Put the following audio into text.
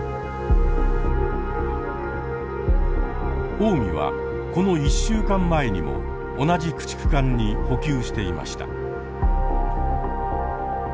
「おうみ」はこの１週間前にも同じ駆逐艦に補給していました。